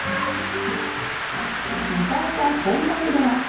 迎えた本番では。